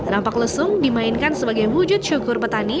rampak lesung dimainkan sebagai wujud syukur petani